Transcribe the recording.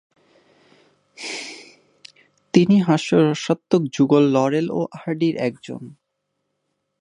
তিনি হাস্যরসাত্মক যুগল লরেল ও হার্ডির একজন।